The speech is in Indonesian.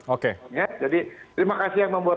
oke jadi terima kasih yang membuat